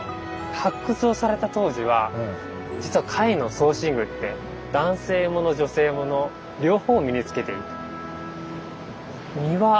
発掘をされた当時は実は貝の装身具って男性物女性物両方を身に着けていた。